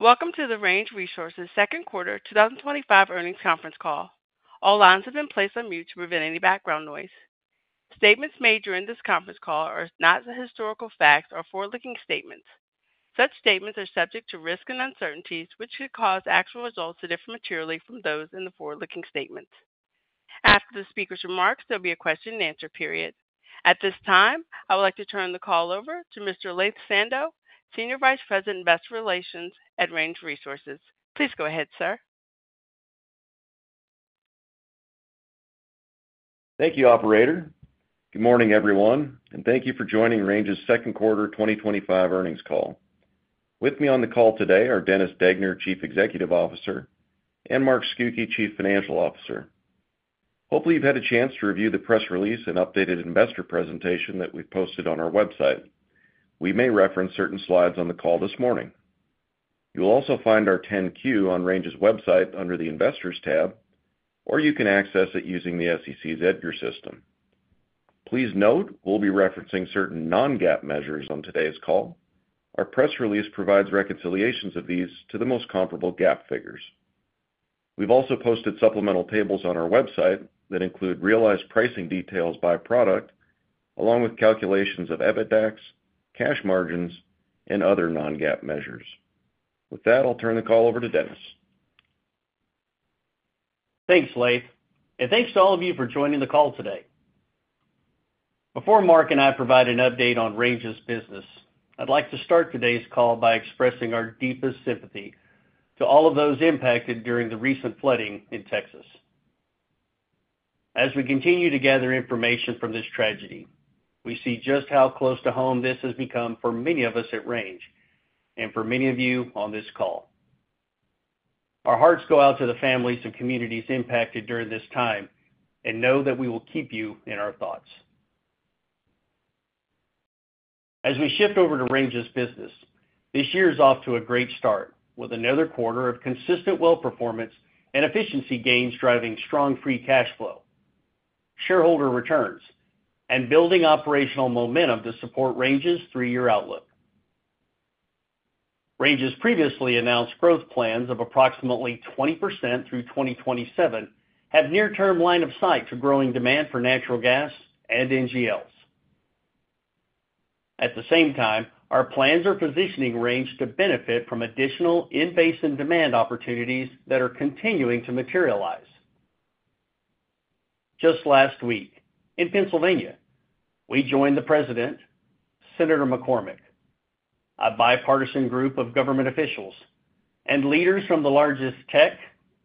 Welcome to the Range Resources second quarter 2025 earnings conference call. All lines have been placed on mute to prevent any background noise. Statements made during this conference call are not historical facts or forward-looking statements. Such statements are subject to risks and uncertainties which could cause actual results to differ materially from those in the forward-looking statements. After the Speaker's remarks, there will be a qquestion-and-answerperiod. At this time I would like to turn the call over to Mr. Laith Sando, Senior Vice President, Investor Relations at Range Resources. Please go ahead sir. Thank you, operator. Good morning, everyone, and thank you for joining Range's second quarter 2025 earnings call. With me on the call today are Dennis Degner, Chief Executive Officer, and Mark Scucchi, Chief Financial Officer. Hopefully you've had a chance to review the press release and updated investor presentation that we've posted on our website. We may reference certain slides on the call this morning. You will also find our 10-Q on Range's website under the Investors tab, or you can access it using the SEC's EDGAR system. Please note we'll be referencing certain non-GAAP measures on today's call. Our press release provides reconciliations of these to the most comparable GAAP figures. We've also posted supplemental tables on our website that include realized pricing details by product, along with calculations of EBITDAX, cash margins, and other non-GAAP measures. With that, I'll turn the call over to Dennis. Thanks Laith and thanks to all of you for joining the call today. Before Mark and I provide an update on Range's business, I'd like to start today's call by expressing our deepest sympathy to all of those impacted during the recent flooding in Texas. As we continue to gather information from this tragedy, we see just how close to home this has become for many of us at Range and for many of you on this call. Our hearts go out to the families and communities impacted during this time and know that we will keep you in our thoughts as we shift over to Range's business. This year is off to a great start with another quarter of consistent well performance and efficiency gains driving strong free cash flow, shareholder returns, and building operational momentum to support Range's three year outlook. Range has previously announced growth plans of approximately 20% through 2027 have near term line of sight to growing demand for natural gas and NGL. At the same time, our plans are positioning Range to benefit from additional in-basin demand opportunities that are continuing to materialize. Just last week in Pennsylvania we joined the President, Senator McCormick, a bipartisan group of government officials, and leaders from the largest tech,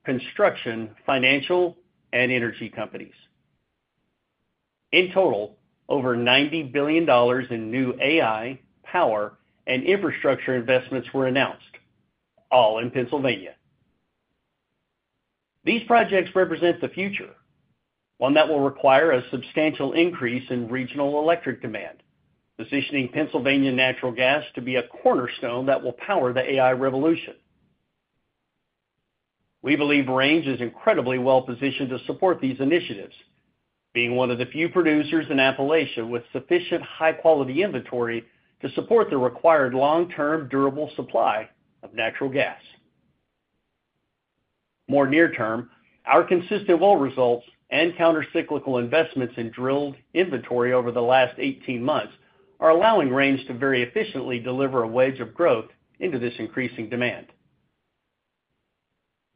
construction, financial, and energy companies. In total, over $90 billion in new AI power and infrastructure investments were announced, all in Pennsylvania. These projects represent the future, one that will require a substantial increase in regional electric demand, positioning Pennsylvania natural gas to be a cornerstone that will power the AI revolution. We believe Range is incredibly well positioned to support these initiatives, being one of the few producers in Appalachia with sufficient high quality inventory to support the required long term durable supply of natural gas. More near term, our consistent well results and countercyclical investments in drilled inventory over the last 18 months are allowing Range to very efficiently deliver a wave of growth into this increasing demand.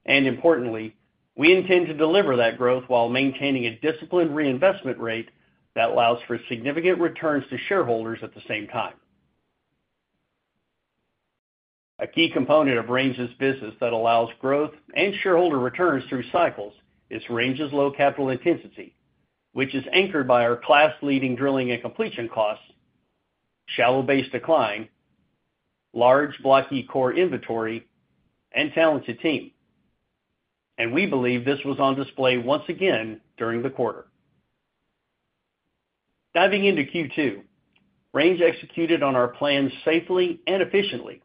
Importantly, we intend to deliver that growth while maintaining a disciplined reinvestment rate that allows for significant returns to shareholders. At the same time, a key component of Range's business that allows growth and shareholder returns through cycles is Range's low capital intensity, which is anchored by our class-leading drilling and completion costs, shallow base decline, large blocky core inventory, and talented team, and we believe this was on display once again during the quarter. Diving into Q2, Range executed on our plans safely and efficiently,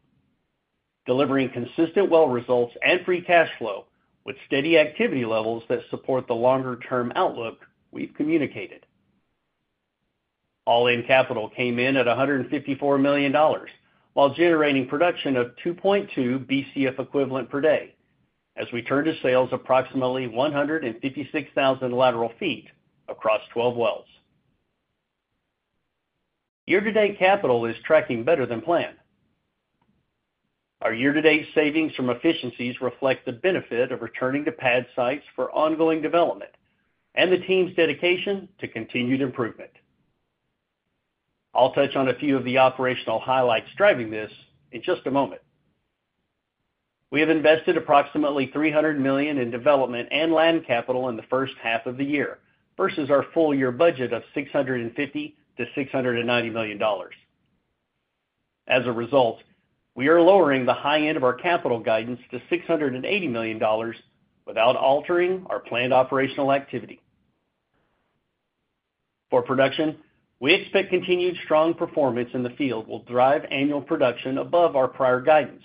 delivering consistent well results and free cash flow with steady activity levels that support the longer-term outlook we've communicated. All-in capital came in at $154 million while generating production of 2.2 Bcfe per day as we turned to sales, approximately 156,000 lateral ft across 12 wells. Year-to-date capital is tracking better than planned. Our year-to-date savings from efficiencies reflect the benefit of returning to pad sites for ongoing development and the team's dedication to continued improvement. I'll touch on a few of the operational highlights driving this in just a moment. We have invested approximately $300 million in development and land capital in the first half of the year versus our full-year budget of $650-$690 million. As a result, we are lowering the high end of our capital guidance to $680 million without altering our planned operational activity for production. We expect continued strong performance in the field will drive annual production above our prior guidance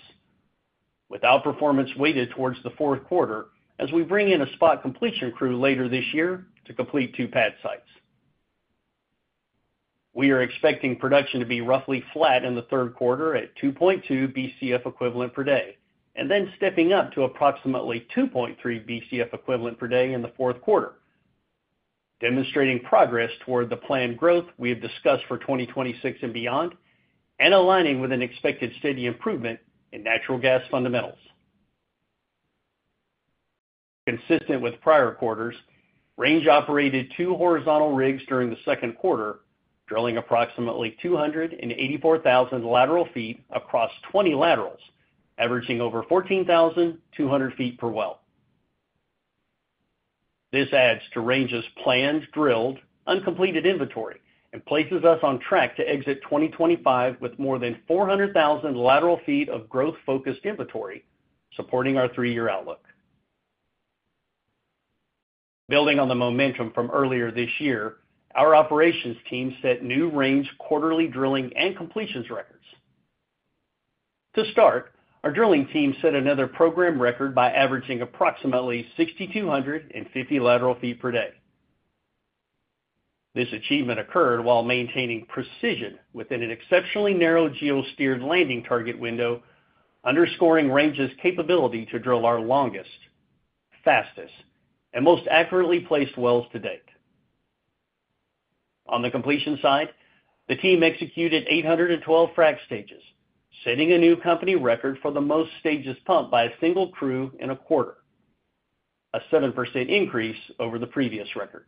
without performance weighted towards the fourth quarter as we bring in a spot completion crew later this year to complete two pad sites. We are expecting production to be roughly flat in the third quarter at 2.2 Bcfe per day and then stepping up to approximately 2.3 Bcfe per day in the fourth quarter, demonstrating progress toward the planned growth we have discussed for 2026 and beyond and aligning with an expected steady improvement in natural gas. Fundamentals. Consistent with prior quarters, Range operated two horizontal rigs during the second quarter, drilling approximately 284,000 lateral ft across 20 laterals, averaging over 14,200 ft per well. This adds to Range's planned drilled uncompleted inventory and places us on track to exit 2025 with more than 400,000 lateral feet of growth-focused inventory supporting our three-year outlook. Building on the momentum from earlier this year, our operations team set new Range quarterly drilling and completions records to start. Our drilling team set another program record by averaging approximately 6,250 lateral ft per day. This achievement occurred while maintaining precision within an exceptionally narrow geosteered landing target window, underscoring Range's capability to drill our longest, fastest, and most accurately placed wells to date. On the completion side, the team executed 812 frac stages, setting a new company record for the most stages pumped by a single crew in a quarter, a 7% increase over the previous record.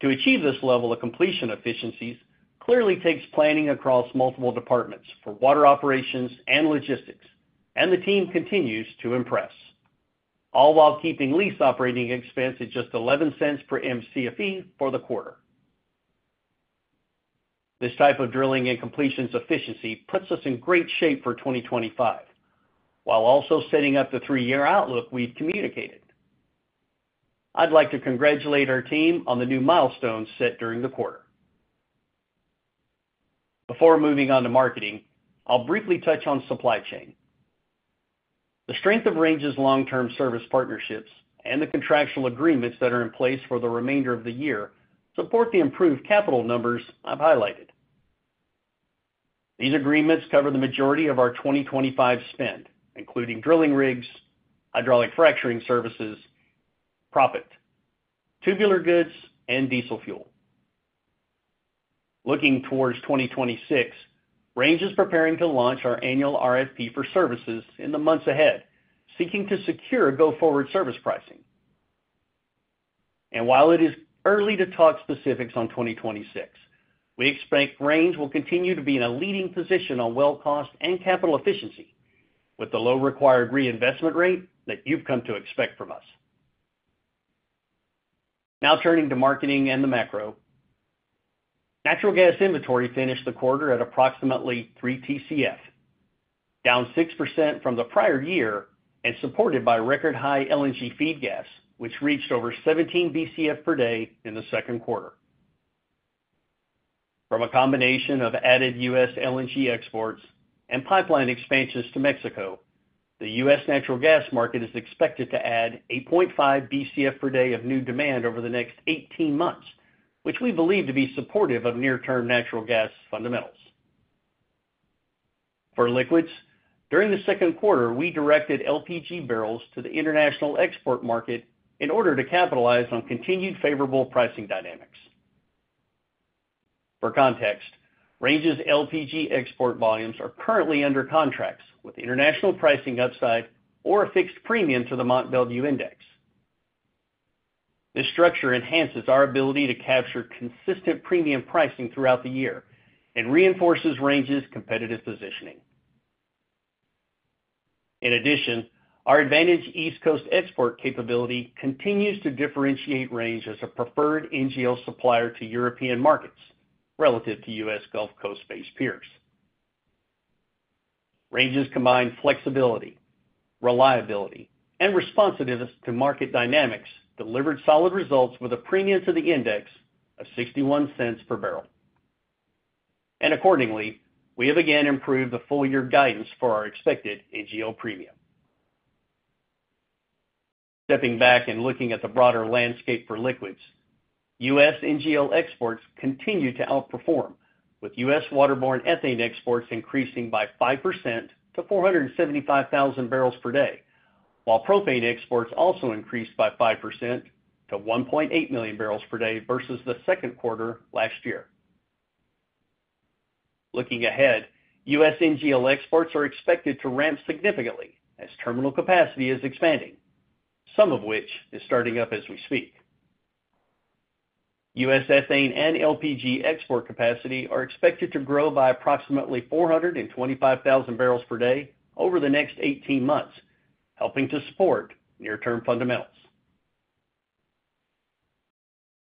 To achieve this level of completion efficiencies clearly takes planning across multiple departments for water operations and logistics, and the team continues to impress all while keeping lease operating expense at just $0.11 per Mcfe for the quarter. This type of drilling and completions efficiency puts us in great shape for 2025 while also setting up the three-year outlook we've communicated. I'd like to congratulate our team on the new milestones set during the quarter before moving on to marketing. Briefly touching on supply chain, the strength of Range's long-term service partnerships and the contractual agreements that are in place for the remainder of the year support the improved capital numbers I've highlighted. These agreements cover the majority of our 2025 spend, including drilling rigs, hydraulic fracturing services, proppant, tubular goods, and diesel fuel. Looking towards 2026, Range is preparing to launch our annual RFP for services in the months ahead, seeking to secure go-forward service pricing, and while it is early to talk specifics on 2026, we expect Range will continue to be in a leading position on well cost and capital efficiency with the low required reinvestment rate that you've come to expect from us. Now turning to marketing and the macro, natural gas inventory finished the quarter at approximately 3 Tcf, down 6% from the prior year and supported by record high LNG feed gas which reached over 17 Bcf per day in the second quarter. From a combination of added U.S. LNG exports and pipeline expansions to Mexico, the U.S. natural gas market is expected to add 8.5 Bcf per day of new demand over the next 18 months, which we believe to be supportive of near term natural gas fundamentals. For liquids, during the second quarter, we directed LPG barrels to the international export market in order to capitalize on continued favorable pricing dynamics. For context, Range's LPG export volumes are currently under contracts with international pricing upside or a fixed premium to the Mont Belvieu Index. This structure enhances our ability to capture consistent premium pricing throughout the year and reinforces Range's competitive positioning. In addition, our advantage East Coast export capability continues to differentiate Range as a preferred NGL supplier to European markets relative to U.S. Gulf Coast-based peers. Range's combined flexibility, reliability, and responsiveness to market dynamics delivered solid results with a premium to the index of $0.61 per barrel, and accordingly we have again improved the full year guidance for our expected NGL premium. Stepping back and looking at the broader landscape for liquids, U.S. NGL exports continue to outperform with U.S. waterborne ethane exports increasing by 5% to 475,000 barrels per day, while propane exports also increased by 5% to 1.8 million barrels per day versus the second quarter last year. Looking ahead, U.S. NGL exports are expected to ramp significantly as terminal capacity is expanding, some of which is starting up as we speak. U.S. ethane and LPG export capacity are expected to grow by approximately 425,000 barrels per day over the next 18 months, helping to support near-term fundamentals.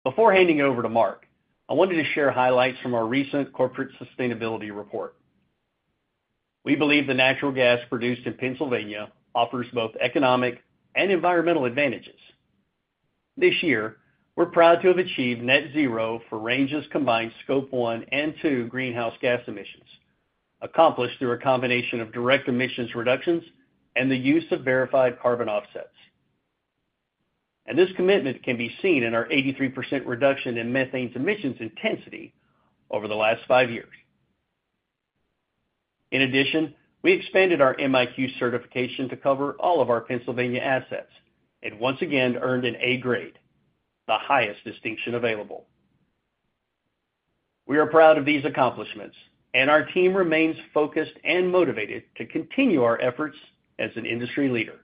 Before handing it over to Mark, I wanted to share highlights from our recent Corporate Sustainability Report. We believe the natural gas produced in Pennsylvania offers both economic and environmental advantages. This year we're proud to have achieved net zero for Range's combined scope I and II greenhouse gas emissions, accomplished through a combination of direct emissions reductions and the use of verified carbon offsets, and this commitment can be seen in our 83% reduction in methane emissions intensity over the last five years. In addition, we expanded our MIQ certification to cover all of our Pennsylvania assets and once again earned an A grade, the highest distinction available. We are proud of these accomplishments, and our team remains focused and motivated to continue our efforts as an industry leader.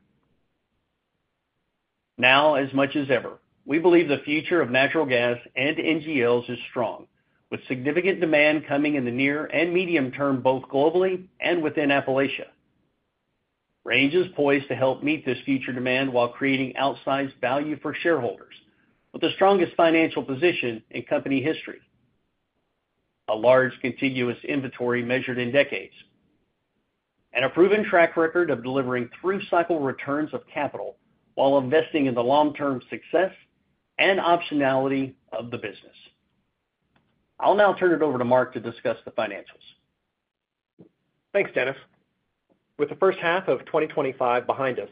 Now, as much as ever, we believe the future of natural gas and NGLs is strong with significant demand coming in the near and medium term both globally and within Appalachia. Range is poised to help meet this future demand while creating outsized value for shareholders with the strongest financial position in company history, a large contiguous inventory measured in decades, and a proven track record of delivering through-cycle returns of capital while investing in the long-term success and optionality of the business. I'll now turn it over to Mark to discuss the financials. Thanks, Dennis. With the first half of 2025 behind us,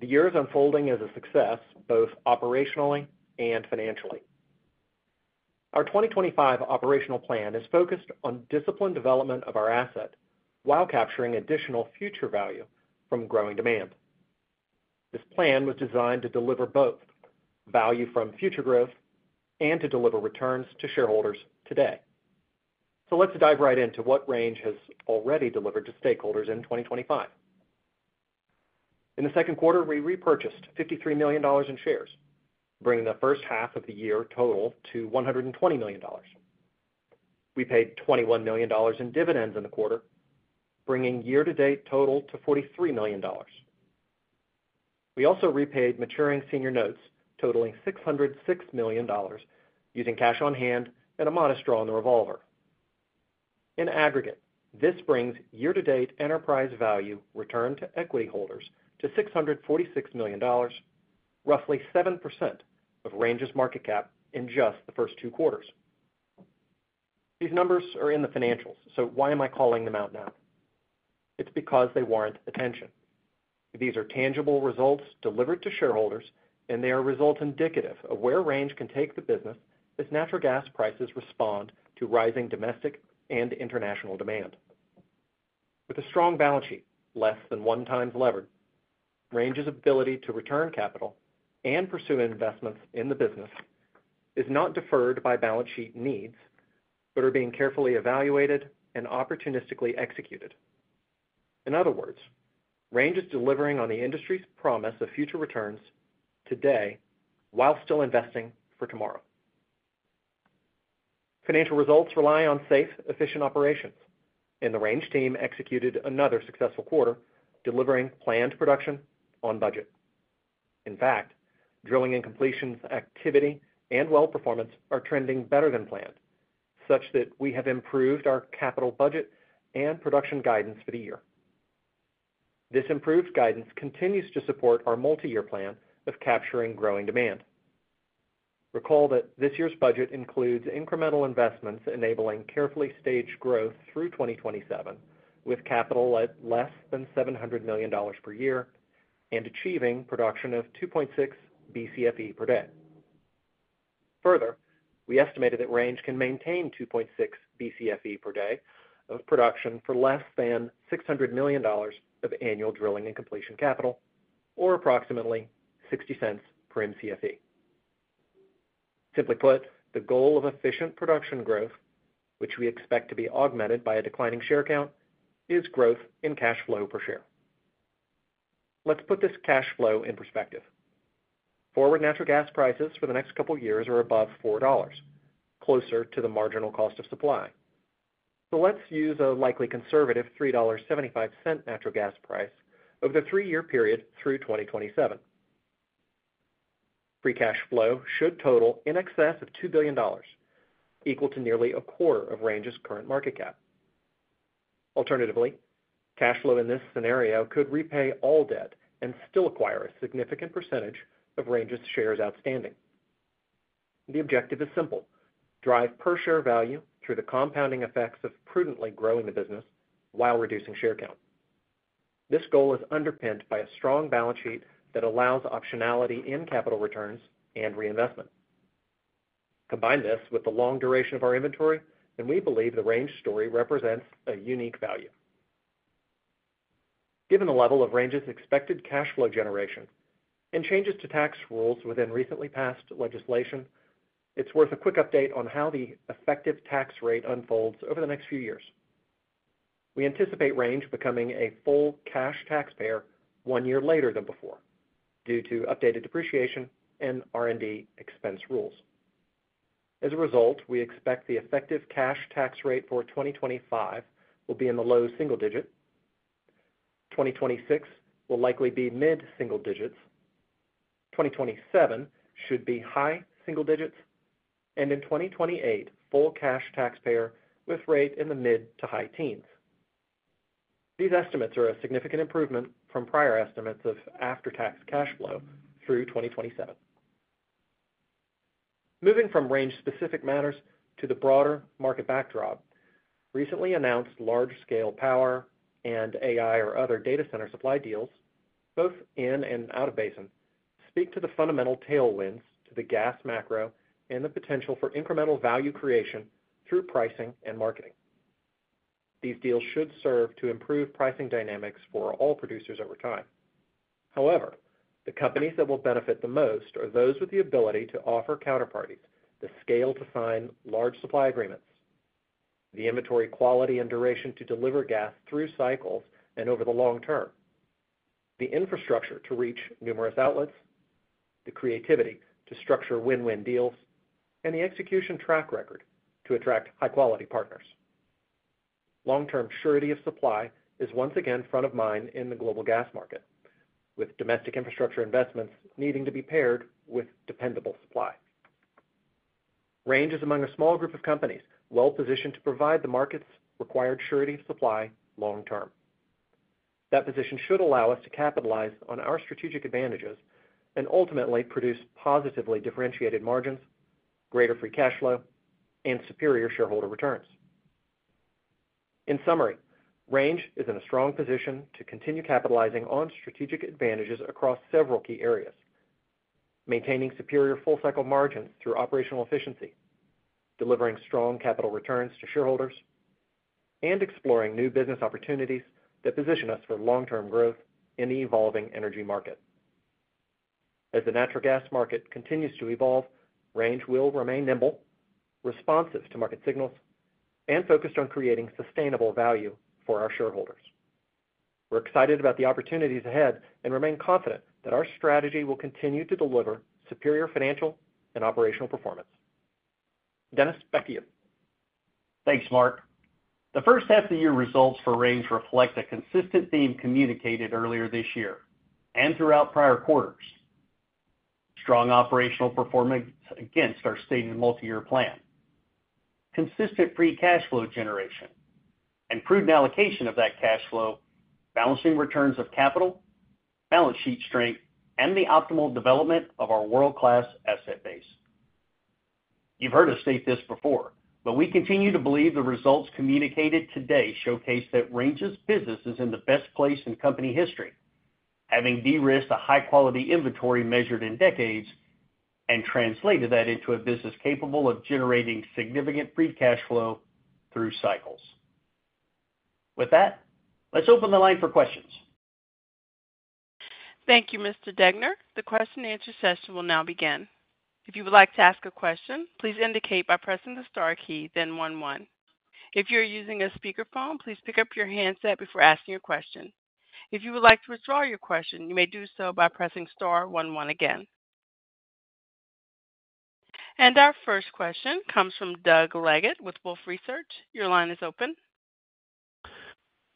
the year is unfolding as a success both operationally and financially. Our 2025 operational plan is focused on disciplined development of our asset while capturing additional future value from growing demand. This plan was designed to deliver both value from future growth and to deliver returns to shareholders today. Let's dive right into what Range has already delivered to stakeholders in 2025. In the second quarter we repurchased $53 million in shares, bringing the first half of the year total to $120 million. We paid $21 million in dividends in the quarter, bringing year to date total to $43 million. We also repaid maturing senior notes totaling $606 million using cash on hand and a modest draw on the revolver. In aggregate, this brings year to date enterprise value returned to equity holders to $646 million, roughly 7% of Range's market cap in just the first two quarters. These numbers are in the financials, so why am I calling them out now? It's because they warrant attention. These are tangible results delivered to shareholders, and they are results indicative of where Range can take the business as natural gas prices respond to rising domestic and international demand with a strong balance sheet less than 1x levered. Range's ability to return capital and pursue investments in the business is not deferred by balance sheet needs, but are being carefully evaluated and opportunistically executed. In other words, Range is delivering on the industry's promise of future returns today while still investing for tomorrow. Financial results rely on safe, efficient operations and the Range team executed another successful quarter delivering planned production on budget. In fact, drilling and completions activity and well performance are trending better than planned such that we have improved our capital, budget and production guidance for the year. This improved guidance continues to support our multiyear plan of capturing growing demand. Recall that this year's budget includes incremental investments enabling carefully staged growth through 2027 with capital at less than $700 million per year and achieving production of 2.6 Bcfe per day. Further, we estimated that Range can maintain 2.6 Bcfe per day of production for less than $600 million of annual drilling and completion capital, or approximately $0.60 per Mcfe. Simply put, the goal of efficient production growth, which we expect to be augmented by a declining share count, is growth in cash flow per share. Let's put this cash flow in perspective. Forward natural gas prices for the next couple years are above $4, closer to the marginal cost of supply. Let's use a likely conservative $3.75 natural gas price. Over the three-year period through 2027, free cash flow should total in excess of $2 billion, equal to nearly a quarter of Range's current market cap. Alternatively, cash flow in this scenario could repay all debt and still acquire a significant percentage of Range's shares outstanding. The objective is simple: drive per share value through the compounding effects of prudently growing the business while reducing share count. This goal is underpinned by a strong balance sheet that allows optionality in capital returns and reinvestment. Combine this with the long duration of our inventory and we believe the Range story represents a unique value. Given the level of Range's expected cash flow generation and changes to tax rules within recently passed legislation, it's worth a quick update on how the effective tax rate unfolds over the next few years. We anticipate Range becoming a full cash taxpayer one year later than before due to updated depreciation and R&D expense rules. As a result, we expect the effective cash tax rate for 2025 will be in the low single digits, 2026 will likely be mid single digits, 2027 should be high single digits, and in 2028 full cash taxpayer with rate in the mid to high teens. These estimates are a significant improvement from prior estimates of after-tax cash flow through 2027. Moving from Range-specific matters to the broader market backdrop, recently announced large-scale power and AI or other data center supply deals both in and out of basin speak to the fundamental tailwinds to the gas macro and the potential for incremental value creation through pricing and marketing. These deals should serve to improve pricing dynamics for all producers over time. However, the companies that will benefit the most are those with the ability to offer counterparties the scale to sign large supply agreements, the inventory quality and duration to deliver gas through cycles and over the long term, the infrastructure to reach numerous outlets, the creativity to structure win-win deals, and the execution track record to attract high-quality partners. Long term surety of supply is once again front of mind in the global gas market, with domestic infrastructure investments needing to be paired with dependable supply. Range is among a small group of companies well positioned to provide the market's required surety of supply. Long term, that position should allow us to capitalize on our strategic advantages and ultimately produce positively differentiated margins, greater free cash flow, and superior shareholder returns. In summary, Range is in a strong position to continue capitalizing on strategic advantages across several key areas, maintaining superior full cycle margins through operational efficiency, delivering strong capital returns to shareholders, and exploring new business opportunities that position us for long term growth in the evolving energy market. As the natural gas market continues to evolve, Range will remain nimble, responsive to market signals, and focused on creating sustainable value for our shareholders. We're excited about the opportunities ahead and remain confident that our strategy will continue to deliver superior financial and operational performance. Dennis back to you. Thanks Mark. The first half of the year results for Range reflect a consistent theme communicated earlier this year and throughout prior quarters. Strong operational performance against our stated multiyear plan, consistent free cash flow generation, and prudent allocation of that cash flow, balancing returns of capital, balance sheet strength, and the optimal development of our world class asset base. You've heard us state this before, but we continue to believe the results communicated today showcase that Range's business is in the best place in company history, having derisked a high quality inventory measured in decades and translated that into a business capable of generating significant free cash flow through cycles. With that, let's open the line for questions. Thank you, Mr. Degner. The question and answer session will now begin. If you would like to ask a question, please indicate by pressing the star key then one one. If you are using a speakerphone, please pick up your handset before asking your question. If you would like to withdraw your question, you may do so by pressing star one one again. Our first question comes from Doug Leggate with Wolfe Research. Your line is open.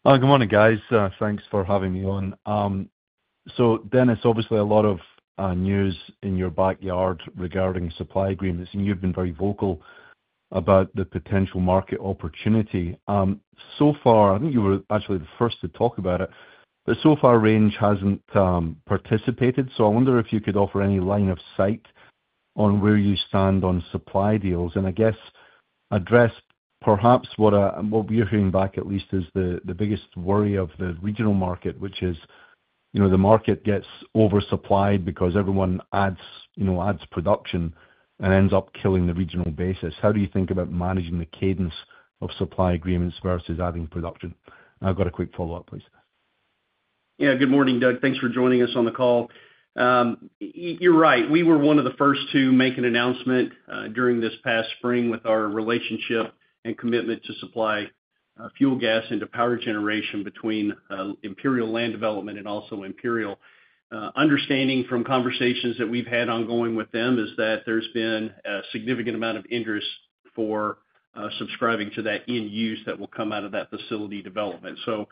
Good morning guys. Thanks for having me on. Dennis, obviously a lot of news in your backyard regarding supply agreements and you've been very vocal about the potential market opportunity so far. I think you were actually the first to talk about it, but so far Range hasn't participated. I wonder if you could offer any line of sight on where you stand on supply deals and I guess address perhaps what we are hearing back at least is the biggest worry of the regional market, which is the market gets oversupplied because everyone adds production and ends up killing the regional basis. How do you think about managing the cadence of supply agreements versus adding production? I've got a quick follow up please. Yeah, good morning Doug, thanks for joining us on the call. You're right, we were one of the first to make an announcement during this past spring with our relationship and commitment to supply fuel gas into power generation between Imperial Land Development and also Imperial Understanding. From conversations that we've had ongoing with them, there's been a significant amount of interest for subscribing to that end use that will come out of that facility development. It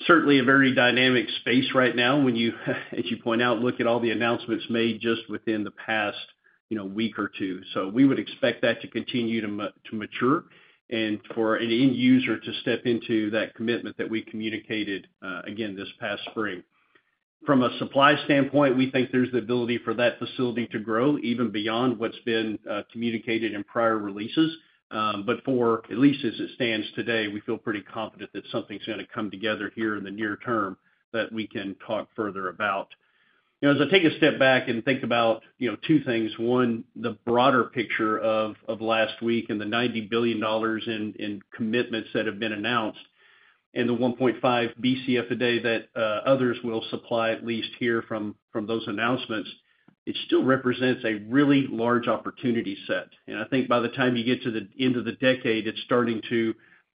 is certainly a very dynamic space right now when you, as you point out, look at all the announcements made just within the past week or two. We would expect that to continue to mature and for an end user to step into that commitment that we communicated again this past spring. From a supply standpoint, we think there's the ability for that facility to grow even beyond what's been communicated in prior releases. At least as it stands today, we feel pretty confident that something's going to come together here in the near term that we can talk further about. As I take a step back and think about two things. One, the broader picture of last week and the $90 billion in commitments that have been announcement and the 1.5 Bcf a day that others will supply, at least here from those announcements, it still represents a really large opportunity set. I think by the time you get to the end of the decade, it's starting to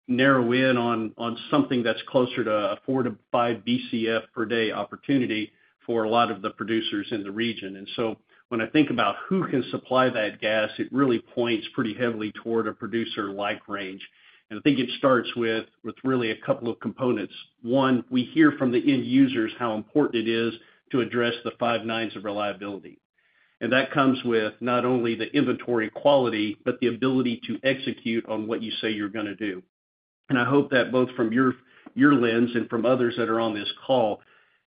narrow in on something that's closer to 4-5 Bcf per day opportunity for a lot of the producers in the region. When I think about who can supply that gas, it really points pretty heavily toward a producer like Range. I think it starts with really a couple of components. One, we hear from the end users how important it is to address the five nines of reliability. That comes with not only the inventory quality, but the ability to execute on what you say you're going to do. I hope that both from your lens and from others that are on this call,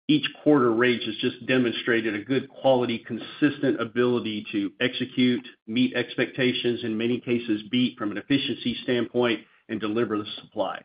each quarter, Range has just demonstrated a good quality, consistent ability to execute, meet expectations, in many cases beat from an efficiency standpoint and deliver the supply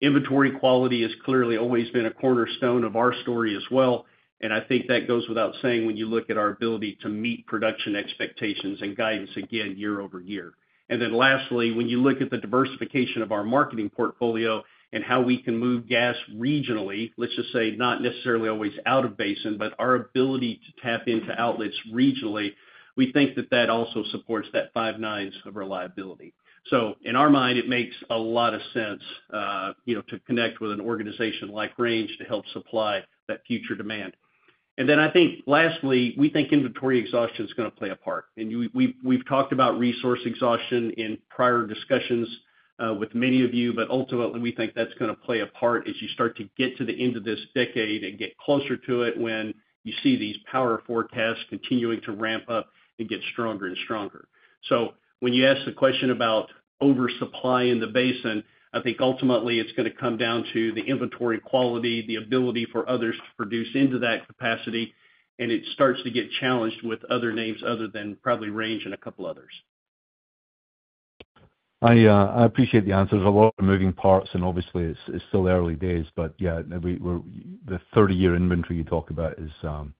inventory. Quality has clearly always been a cornerstone of our story as well. I think that goes without saying when you look at our ability to meet production expectations and guidance again year-over-year. Lastly, when you look at the diversification of our marketing portfolio and how we can move gas regionally, let's just say not necessarily always out of basin, but our ability to tap into outlets regionally, we think that also supports that five nines of reliability. In our mind it makes a lot of sense to connect with an organization like Range to help supply that future demand. We think inventory exhaustion is going to play a part, and we've talked about resource exhaustion in prior discussions with many of you, but ultimately we think that's going to play a part as you start to get to the end of this decade and get closer to it, when you see these power forecasts continuing to ramp up and get stronger and stronger. When you ask the question about oversupply in the basin, I think ultimately it's going to come down to the inventory quality, the ability for others to produce into that capacity. It starts to get challenged with other names other than probably Range and a couple others. I appreciate the answer. There's a lot of moving parts and obviously it's still early days. The 30 year inventory you talk about is going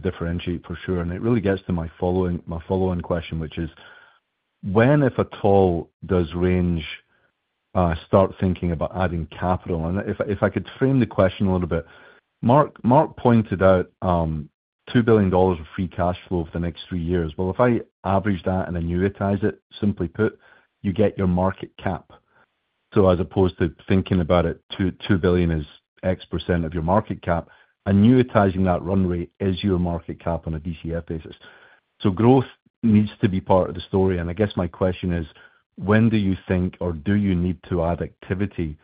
to differentiate for sure. It really gets to my follow on question which is when, if at all, does Range start thinking about adding capital? If I could frame the question a little bit, Mark pointed out $2 billion of free cash flow for the next three years. If I average that and annuitize it, simply put, you get your market cap. As opposed to thinking about it, $2 billion is x% of your market cap. Annuitizing that run rate is your market cap on a DCF basis. Growth needs to be part of the story. I guess my question is when do you think or do you need to add activity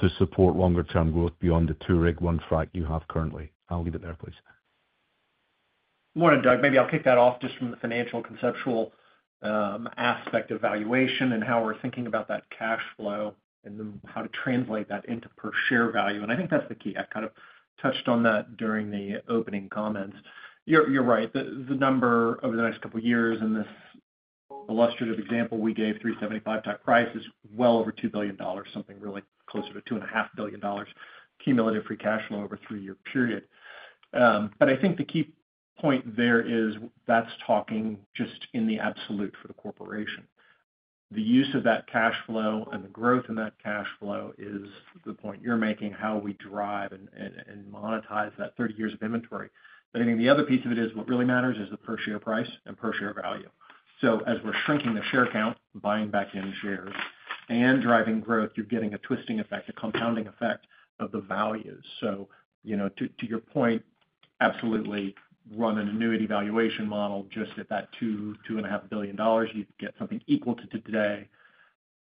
to support longer term growth beyond the 2 rig 1 frac you have currently? I'll leave it there, please. Morning, Doug. Maybe I'll kick that off just from. The financial conceptual aspect of valuation and how we're thinking about that cash flow and how to translate that into per share value. I think that's the key. I kind of touched on that during the opening comments. You're right. The number over the next couple years in this illustrative example we gave $3.75 type price is well over $2 billion, something really closer to $2.5 billion cumulative free cash flow over a three year period. I think the key point there is that's talking just in the absolute for the corporation. The use of that cash flow and the growth in that cash flow is the point you're making, how we drive and monetize that 30 years of inventory. I think the other piece of it is what really matters is the per share price and per share value. As we're shrinking the share count, buying back in shares and driving growth, you're getting a twisting effect, a compounding effect of the values. To your point, absolutely, run an annuity valuation model just at that $2, $2.5 billion, you get something equal to today.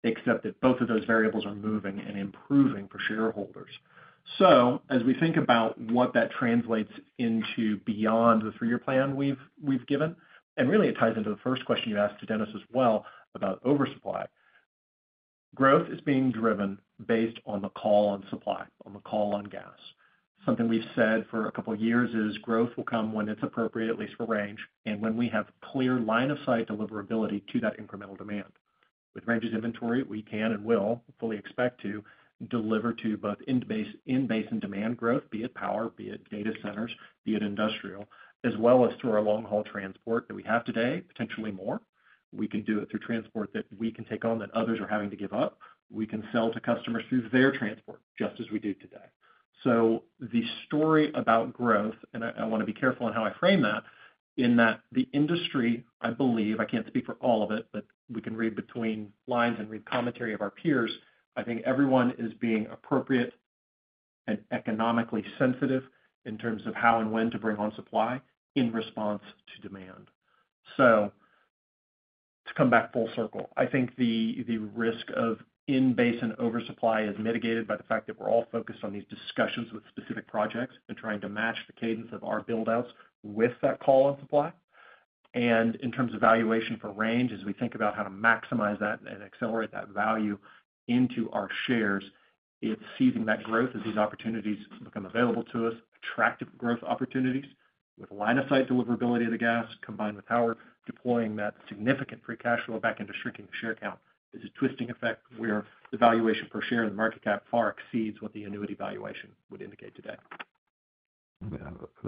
Except that both of those variables are moving and improving for shareholders. As we think about what that translates into beyond the three-year plan we've given, it really ties into the first question you asked to Dennis. As well about oversupply. Growth is being driven based on the call on supply, on the call on gas. Something we've said for a couple years is growth will come when it's appropriate, at least for Range and when we have clear line of sight deliverability to that incremental demand. With Range's inventory we can and will fully expect to deliver to both in basin demand growth, be it power, be it data centers, be it industrial, as well as through our long haul transport that we have today, potentially more we can do it through transport that we can take on, that others are having to give up. We can sell to customers through their transport just as we do today. The story about growth, and I want to be careful in how I frame that in that the industry, I believe, I can't speak for all of it, but we can read between lines and read commentary of our peers. I think everyone is being appropriate and economically sensitive in terms of how and when to bring on supply in response to demand. To come back full circle, I think the risk of in basin oversupply is mitigated by the fact that we're all focused on these discussions with specific projects and trying to match the cadence of our build outs with that call on supply. In terms of valuation for Range, as we think about how to maximize that and accelerate that value into our shares, it's seizing that growth as these opportunities become available to us. Attractive growth opportunities with line of sight deliverability of the gas combined with how we're deploying that significant free cash flow back into shrinking the share count is a twisting effect where the valuation per share, the market cap far exceeds what the annuity valuation would indicate today.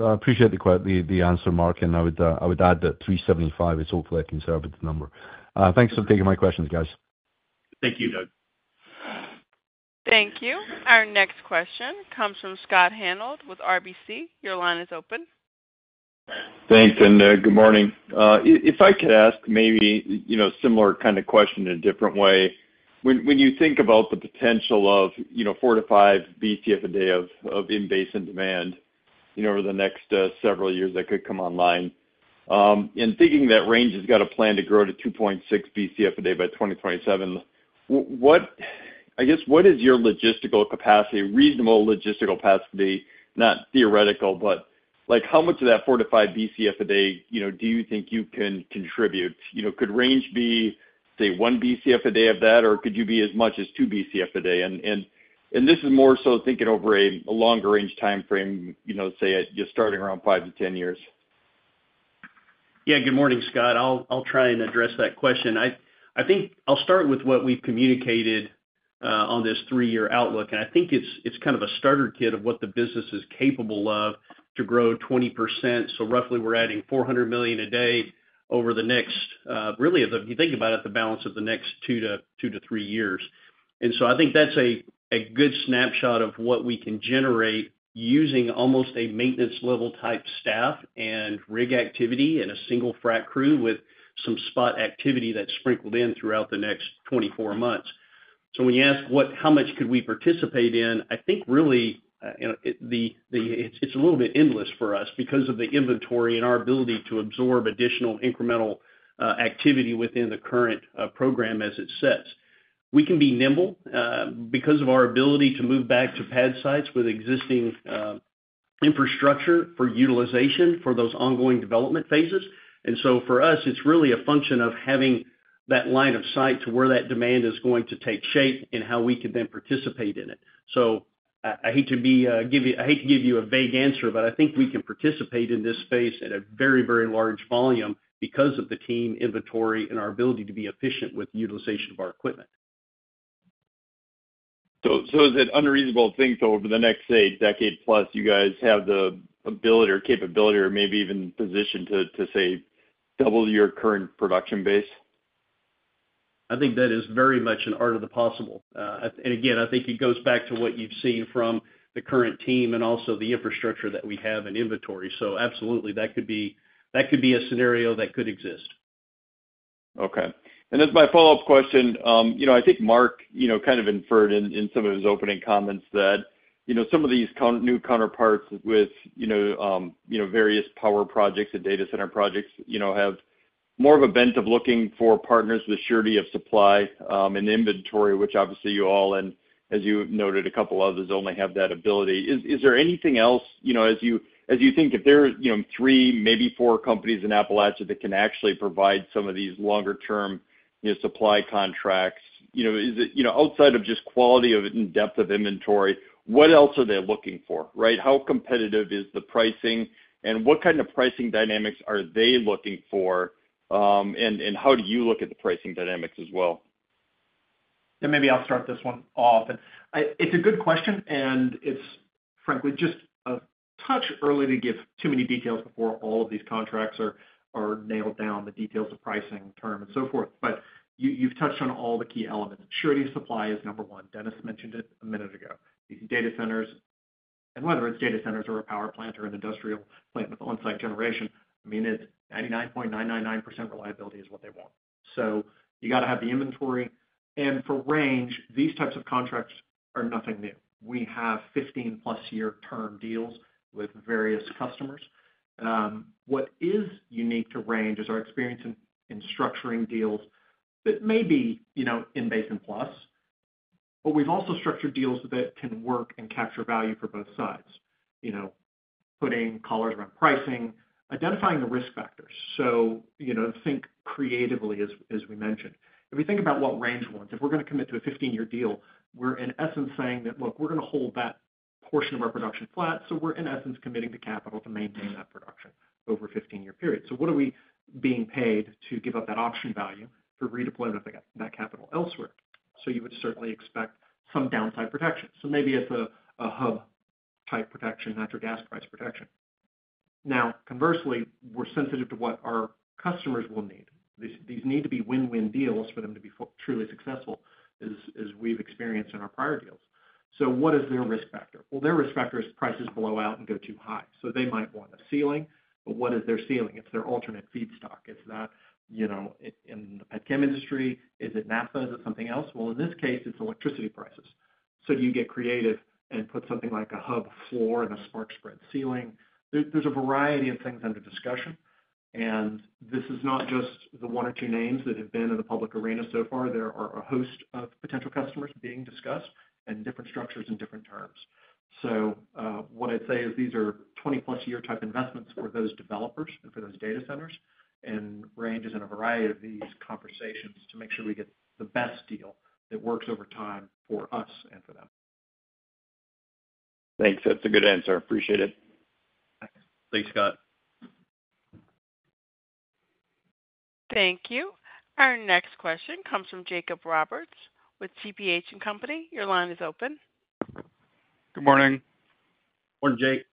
I appreciate the answer, Mark, and I would add that 375 is hopefully a conservative number. Thanks for taking my questions, guys. Thank you, Doug. Thank you. Our next question comes from Scott Hanold with RBC Capital Markets. Your line is open. Thanks and good morning. If I could ask maybe similar kind of question in a different way. When you think about the potential of 4-5 Bcfe a day of in basin demand over the next several years that could come online and thinking that Range has got a plan to grow to 2.6 Bcfe a day by 2027, I guess what is your logistical capacity? Reasonable logistical capacity, not theoretical, but like how much of that 4-5 Bcfe a day do you think you can contribute? Could Range be say 1 Bcfe a day of that or could you be as much as 2 Bcfe a day? This is more so thinking over. A longer range time frame, say just starting around five to ten years. Yeah, good morning, Scott. I'll try and address that question. I think I'll start with what we've communicated on this three year outlook. I think it's kind of a starter kit of what the business is capable of to grow 20%. We're adding roughly $400 million a day over the next, really if you think about it, the balance of the next two to three years. I think that's a good snapshot of what we can generate using almost a maintenance level type staff and rig activity in a single frac crew with some spot activity that's sprinkled in throughout the next 24 months. When you ask how much could we participate in, I think really. It'S. a little bit endless for us because of the inventory and our ability to absorb additional incremental activity within the current program as it sets. We can be nimble because of our ability to move back to pad sites with existing infrastructure for utilization for those ongoing development phases. For us, it's really a function of having that line of sight to where that demand is going to take shape and how we could then participate in it. I hate to give you a vague answer, but I think we can participate in this space at a very, very large volume because of the team inventory. Our ability to be efficient with. Utilization of our equipment. Is it unreasonable to think over the next, say, decade plus, you guys have the ability or capability or maybe even position to say double your current production base? I think that is very much an art of the possible. I think it goes back to what you've seen from the current team and also the infrastructure that we have in inventory. Absolutely, that could be a scenario that could exist. Okay. As my follow up question, I think Mark, you know, kind of inferred in some of his opening comments that some of these new counterparts with various power projects and data center projects have more of a bent of looking for partners with surety of supply and inventory, which obviously you all, and as you noted a couple others, only have that ability. Is there anything else, as you think, if there are three, maybe four companies in Appalachia that can actually provide some of these longer term supply contracts outside of just quality and depth of inventory, what else are they looking for? How competitive is the pricing and what kind of pricing dynamics are they looking for? How do you look at the pricing dynamics as well? Maybe I'll start this one off. It's a good question, and it's frankly just a touch early to give too many details before all of these contracts are nailed down, the details of pricing, term, and so forth. You've touched on all the key elements. Surety supply is number one. Dennis mentioned it a minute ago. These data centers, and whether it's data centers or a power plant or an industrial plant with on-site generation, it's 99.999% reliability that they want. You have to have the inventory. For Range, these types of contracts are nothing new. We have 15+ year term deals with various customers. What is unique to Range is our experience in structuring deals. That may be in-basin plus, but we've also structured deals that can work and capture value for both sides, putting collars around pricing, identifying the risk factors. Think creatively. As we mentioned, if we think about what Range wants, if we're going to commit to a 15-year deal, we're in essence saying that we're going to hold that portion of our production flat. We're in essence committing to capital to maintain that production over a 15-year period. What are we being paid to give up that option value for redeployment of that capital elsewhere? You would certainly expect some downside protection. Maybe it's a hub type protection, natural gas price protection. Conversely, we're sensitive to what our customers will need. These need to be win-win deals for them to be truly successful, as we've experienced in our prior deals. What is their risk factor? Their risk factor is prices blow out and go too high. They might want a ceiling, but what is their ceiling? It's their alternate feedstock. Is that in the pet chem industry? Is it Naphtha? Is it something else? In this case, it's electricity prices. Do you get creative and put something like a hub floor and a spark spread ceiling? There are a variety of things under discussion, and this is not just the one or two names that have been in the public arena so far. There are a host of potential customers being discussed and different structures and different terms. These are 20+ year type investments for those developers and for those data centers, and Range Resources is in a variety of these conversations to make sure we get the best deal that works over time for us and for them. Thanks. That's a good answer. Appreciate it. Thanks, Scott. Thank you. Our next question comes from Jake Roberts with TPH & Co. Your line is open. Good morning, Jake.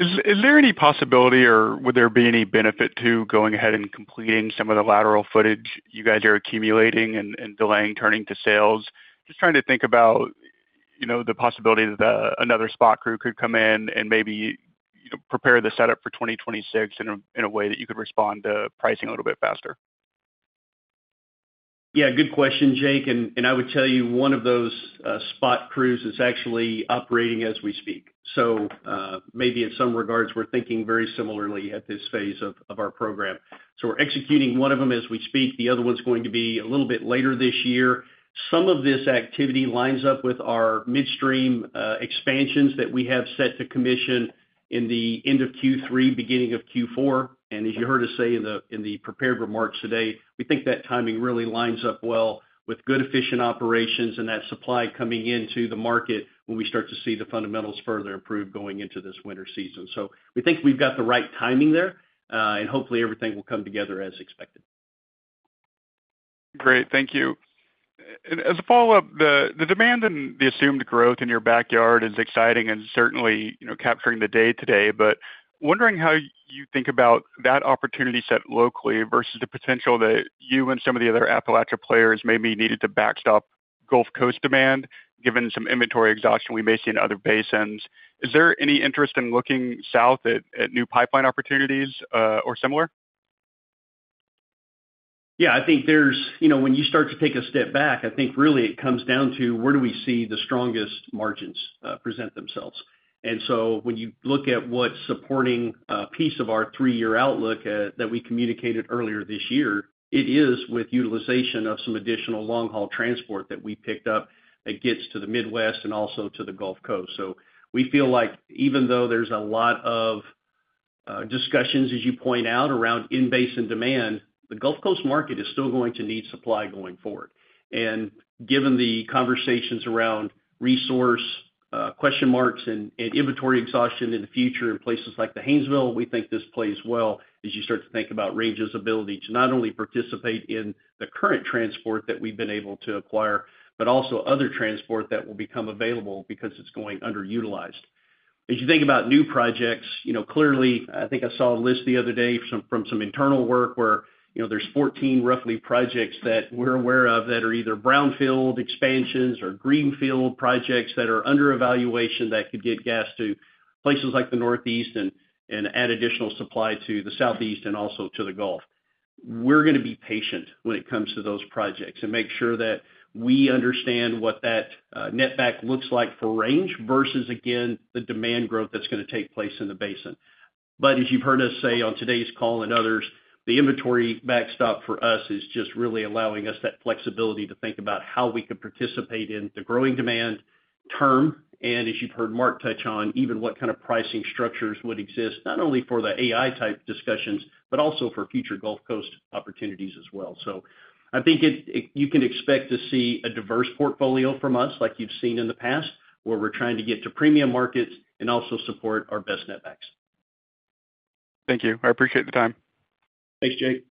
Is there any possibility or would there be any benefit to going ahead and completing some of the lateral footage you guys are accumulating and delaying turning to sales? Just trying to think about the possibility that another spot crew could come in and maybe prepare the setup for 2026 in a way that you could respond to pricing a little bit faster. Yeah, good question, Jake. I would tell you one of those spot crews is actually operating as we speak. Maybe in some regards we're thinking very similarly at this phase of our program. We're executing one of them as we speak. The other one is going to be a little bit later this year. Some of this activity lines up with our midstream expansions that we have set to commission at the end of Q3, beginning of Q4. As you heard us say in the prepared remarks today, we think that timing really lines up well with good, efficient operations and that supply coming into the market when we start to see the fundamentals further improve going into this winter season. We think we've got the right timing there and hopefully everything will come together as expected. Great, thank you. As a follow-up, the demand and the assumed growth in your backyard is exciting and certainly capturing the day today. I am wondering how you think about that opportunity set locally versus the potential that you and some of the other Appalachia players may be needed to backstop Gulf Coast demand. Given some inventory exhaustion we may see in other basins, is there any interest in looking south at new pipeline opportunities or similar? Yeah, I think there's, you know, when you start to take a step back, I think really it comes down to where do we see the strongest margins present themselves. When you look at what supporting piece of our three year outlook that we communicated earlier this year, it is with utilization of some additional long haul transport that we picked up. It gets to the Midwest and also to the Gulf Coast. We feel like even though there's a lot of discussions, as you point out, around in-basin demand, the Gulf Coast market is still going to need supply going forward. Given the conversations around resource question marks and inventory exhaustion in the future in places like the Haynesville, we think this plays well. As you start to think about Range's ability to not only participate in the current transport that we've been able to acquire, but also other transport that will become available because it's going underutilized. As you think about new projects, I think I saw a list the other day from some internal work where there's 14 roughly projects that we're aware of that are either brownfield expansions or greenfield projects that are under evaluation that could get gas to places like the Northeast and add additional supply to the Southeast and also to the Gulf. We're going to be patient when it comes to those projects and make sure that we understand what that netback looks like for Range versus again the demand growth that's going to take place in the basin. As you've heard us say on today's call and others, the inventory backstop for us is just really allowing us that flexibility to think about how we could participate in the growing demand term. As you've heard Mark touch on, even what kind of pricing structures would exist not only for the AI-type discussions but also for future Gulf Coast opportunities as well. I think you can expect to see a diverse portfolio from us like you've seen in the past where we're trying to get to premium markets and also support our best netbacks. Thank you. I appreciate the time. Thanks Jake.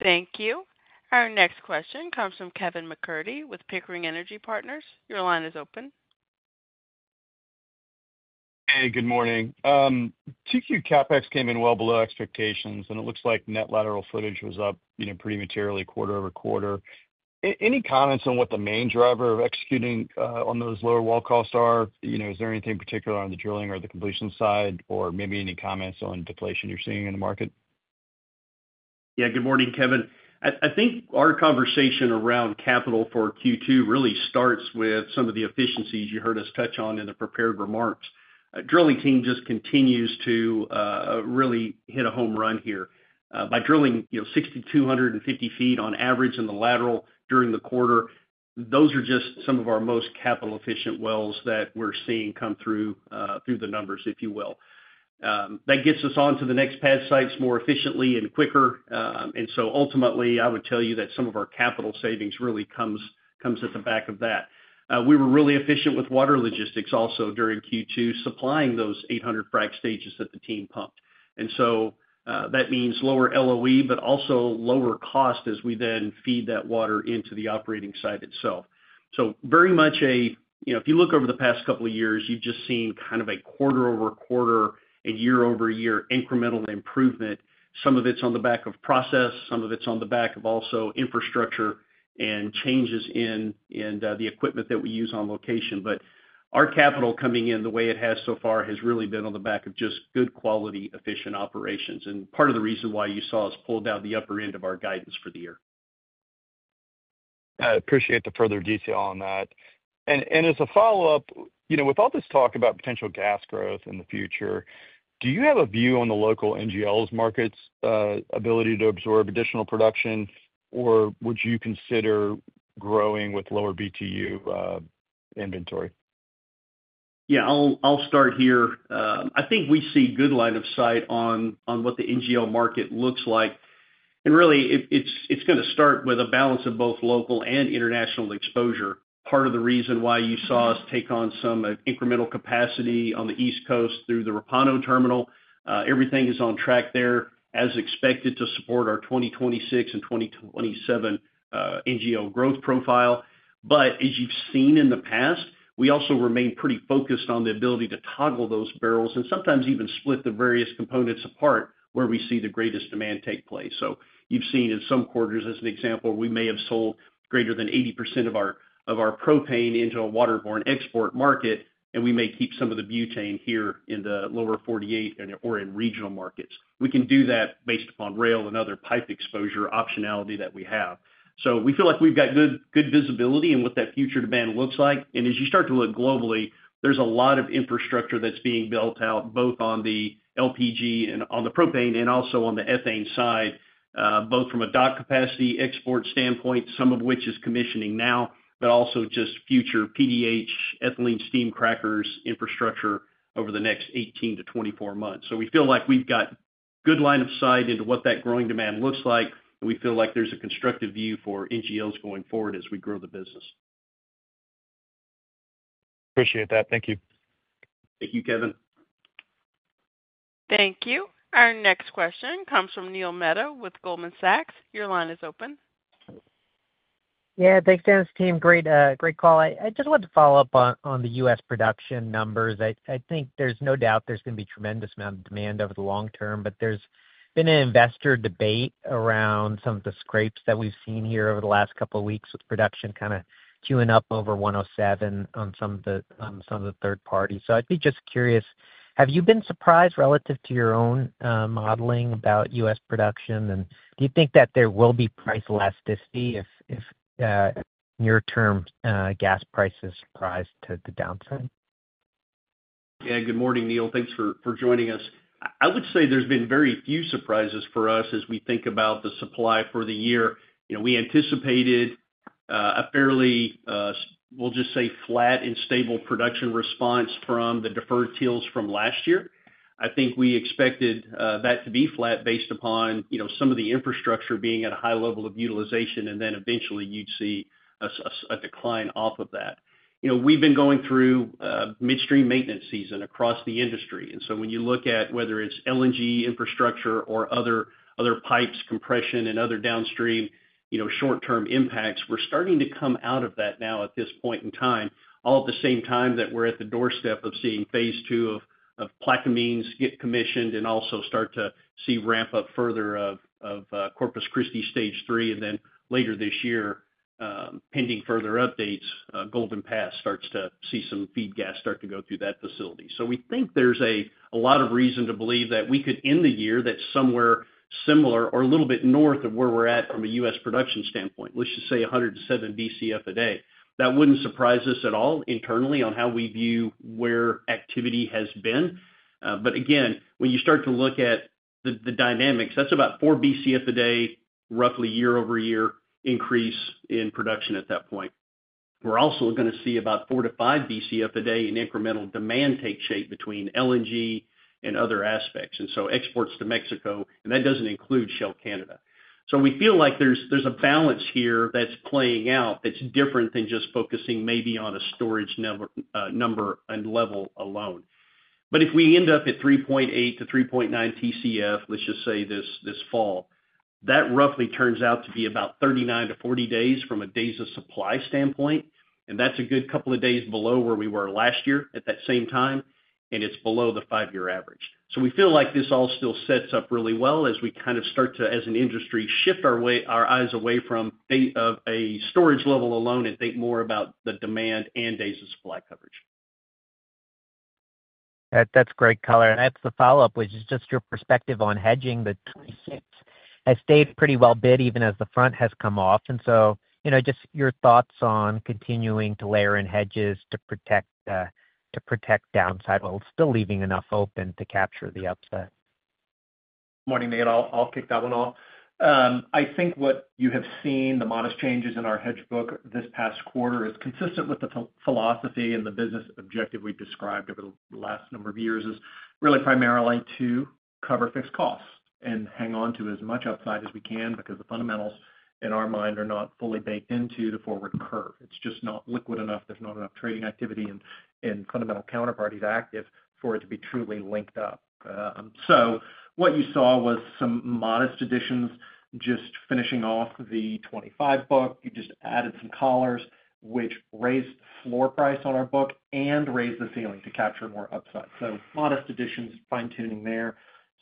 Thank you. Our next question comes from Kevin Moreland MacCurdy with Pickering Energy Partners. Your line is open. Hey, good morning. T.Q. CapEx came in well below expectations, and it looks like net lateral footage was up pretty materially quarter-over-quarter. Any comments on what the main driver of executing on those lower well costs are? Is there anything particular on the drilling or the completion side, or maybe any comments on deflation you're seeing in the market? Yeah, good morning, Kevin. I think our conversation around capital for Q2 really starts with some of the efficiencies you heard us touch on in the prepared remarks. The drilling team just continues to really hit a home run here by drilling 6,250 ft on average in the lateral during the quarter. Those are just some of our most capital efficient wells that we're seeing come through the numbers, if you will. That gets us on to the next pad sites more efficiently and quicker. Ultimately, I would tell you that some of our capital savings really comes at the back of that. We were really efficient with water logistics also during Q2, supplying those 800 frac stages that the team pumped. That means lower LOE but also lower cost as we then feed that water into the operating site itself. Very much A. You know, if you look over the past couple of years, you've just seen. Kind of a quarter-over-quarter. Year-over-year incremental improvement. Some of it's on the back of process, some of it's on the back of also infrastructure and changes in the equipment that we use on location. Our capital coming in the way it has so far has really been on the back of just good quality, efficient operations. Part of the reason why you saw us pull down the upper end of our guidance for the year. I appreciate the further detail on that. As a follow up with all. This talk about potential gas growth in. The future, do you have a view? On the local NGLs market's ability to absorb additional production, or would you consider growing with lower BTU inventory? Yeah, I'll start here. I think we see good line of sight on what the NGL market looks like, and really it's going to start with a balance of both local and international exposure. Part of the reason why you saw us take on some incremental capacity on the East Coast through the Rapano terminal. Everything is on track there as expected to support our 2026 and 2027 NGL growth profile. As you've seen in the past, we also remain pretty focused on the ability to toggle those barrels and sometimes even split the various components apart from where we see the greatest demand take place. You've seen in some quarters, as an example, we may have sold greater than 80% of our propane into a waterborne export market, and we may keep some of the butane here in the lower 48 or in regional markets. We can do that based upon rail and other pipe exposure optionality that we have. We feel like we've got good visibility in what that future demand looks like. As you start to look globally, there's a lot of infrastructure that's being built out both on the LPG and on the propane and also on the ethane side, both from a dock capacity export standpoint, some of which is commissioning now, but also just future PDH ethylene steam crackers infrastructure over the next 18-24 months. We feel like we've got good line of sight into what that growing demand looks like, and we feel like there's a constructive view for NGLs going forward as we grow the business. Appreciate that. Thank you. Thank you, Kevin. Thank you. Our next question comes from Neil Mehta with Goldman Sachs. Your line is open. Yeah, thanks Dennis. Team, great call. I just want to follow up on the U.S. production numbers. I think there's no doubt there's going to be tremendous amount of demand over the long term. There's been an investor debate around some of the scrapes that we've seen here over the last couple of weeks with production kind of queuing up over 107 on some of the third parties. I'd be just curious, have you been surprised relative to your own modeling about U.S. production? Do you think that there will be price elasticity if near term gas prices rise to the downside? Yeah. Good morning Neil. Thanks for joining us. I would say there's been very few surprises for us as we think about the supply for the year. You know, we anticipated a fairly, we'll just say flat and stable production response from the deferred tills from last year. I think we expected that to be flat based upon, you know, some of the infrastructure being at a high level of utilization and then eventually you'd see a decline off of that. We've been going through midstream maintenance season across the industry and when you look at whether it's LNG infrastructure or other pipes, compression and other downstream, you know, short term impacts, we're starting to come out of that now at this point in time. All at the same time that we're at the doorstep of seeing phase II of Plaquemines get commissioned and also start to see ramp up further of Corpus Christi stage three. Later this year pending further updates, Golden Pass starts to see some feed gas start to go through that facility. We think there's a lot of reason to believe that we could end the year somewhere similar or a little bit north of where we're at from a U.S. production standpoint, let's just say 100 to 107 Bcf a day. That wouldn't surprise us at all internally on how we view where activity has been. Again, when you start to look at the dynamics, that's about 4 Bcf a day roughly year-over-year increase in production. At that point we're also going to see about 4-5 Bcf a day in incremental demand take shape between LNG, other aspects and exports to Mexico and that doesn't include Shell Canada. We feel like there's a balance here that's playing out that's different than just focusing maybe on a storage number and level alone. If we end up at 3.8-3.9 Tcf, let's just say this fall that roughly turns out to be about 39-40 days from a days of supply standpoint. That's a good couple of days below where we were last year at that same time and it's below the five-year average. We feel like this all still sets up really well as we kind of start to as an industry shift our eyes away from a storage level alone and think more about the demand and days of supply coverage. That's great color and that's the follow. Which is just your perspective on hedging. The 2026 has stayed pretty well bid even as the front has come off. You know, just your thoughts on continuing to layer in hedges to protect downside while still leaving enough open to capture the upside. Morning, Neil. I'll kick that one off. I think what you have seen, the modest changes in our hedge book this past quarter, is consistent with the philosophy. The business objective we've described over. The last number of years is really primarily to cover fixed costs and hang on to as much upside as we. Because the fundamentals in our mind. Are not fully baked into the forward curve. It's just not liquid enough. There's not enough trading activity in fundamental counterparties active for it to be truly linked up. What you saw was some modest additions, just finishing off the 2025 book. You just added some collars which raised floor price on our book and raised the ceiling to capture more upside. Modest additions, fine tuning there.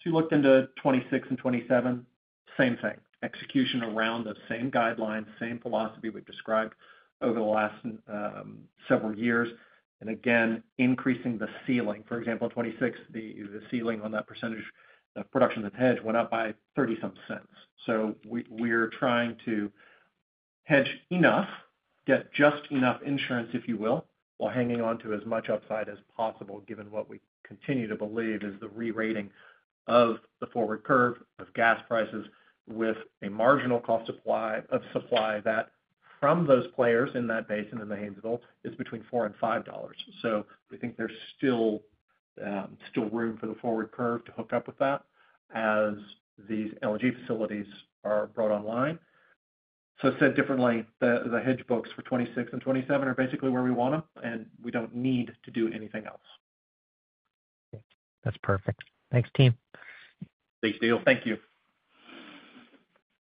You looked into 2026 and 2027, same thing, execution around the same guidelines, same philosophy we've described over the last several years and again increasing the ceiling, for example, 2026, the ceiling on that % of production of hedge went up by $0.30 some. We're trying to hedge enough, get just enough insurance, if you will, while hanging onto as much upside as possible, given what we continue to believe is the re-rating of the forward curve of gas prices with a marginal cost of supply that from those players in that basin in the Haynesville is between $4 and $5. We think there's still room for the forward curve to hook up with that as these LNG facilities are brought online. Said differently, the hedge books for 2026 and 2027 are basically where we want them and we don't need to do anything else. That's perfect. Thanks, team. Thanks, Neil. Thank you.